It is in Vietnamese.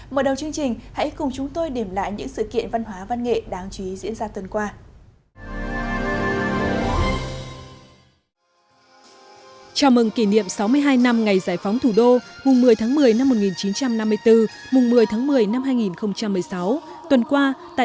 mở đầu chương trình hãy cùng chúng tôi điểm lại những sự kiện văn hóa văn nghệ đáng chú ý diễn ra tuần qua